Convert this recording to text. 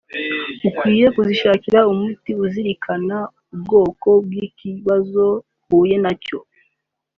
ukwiye kuzishakira umuti uzirikana ubwoko bw’ikibazo uhuye na cyo